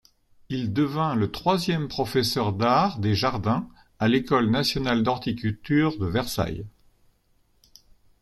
Il devint le troisième professeur d'art des jardins à l'École nationale d'horticulture de Versailles.